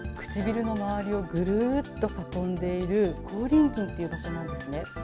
唇の周りをぐるっと囲んでいる口輪筋っていう場所なんですね。